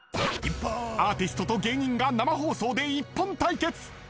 アーティストと芸人が生放送で一本対決。